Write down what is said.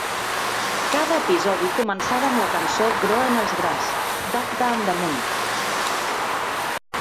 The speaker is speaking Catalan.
Cada episodi començava amb la cançó "Groen als gras" d'Acda en De Munnik.